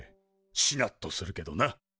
しなっとするけどな。